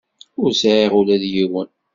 Ur sɛiɣ ula d yiwen.